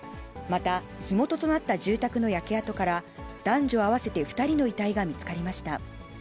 また火元となった住宅の焼け跡から、男女合わせて２人の遺体が見つかりました。